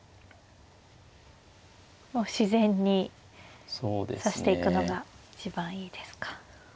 自然に指していくのが一番いいですか。